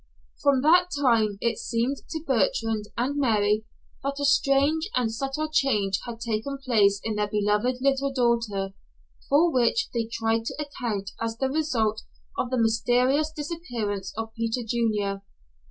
From that time, it seemed to Bertrand and Mary that a strange and subtle change had taken place in their beloved little daughter; for which they tried to account as the result of the mysterious disappearance of Peter Junior.